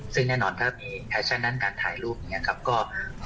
ซึ่งแน่นอนถ้ามีแฟชั่นด้านการถ่ายรูปอย่างนี้ครับ